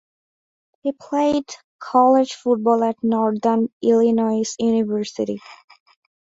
He played college football at Northern Illinois University.